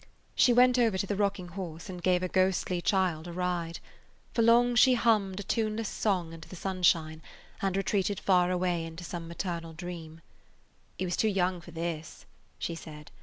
She went over to the rocking horse and gave a ghostly child a ride. For long she hummed a tuneless song into the sunshine and retreated far away into some maternal dream. "He was too young for this," she said.